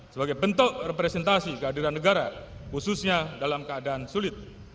sebagai bentuk representasi kehadiran negara khususnya dalam keadaan sulit